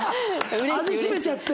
味占めちゃって？